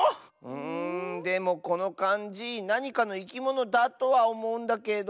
んでもこのかんじなにかのいきものだとはおもうんだけど。